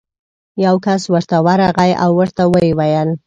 یو کس ورته ورغی او ورته ویې ویل: